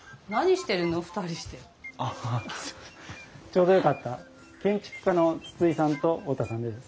ちょうどよかった建築家の筒井さんと太田さんです。